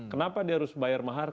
kenapa dia harus bayar mahar